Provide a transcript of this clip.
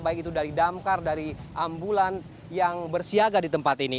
baik itu dari damkar dari ambulans yang bersiaga di tempat ini